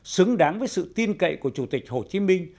xứng đáng với sự tin cậy của chủ tịch hồ chí minh